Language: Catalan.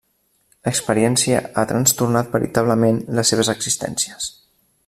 L'experiència ha trastornat veritablement les seves existències.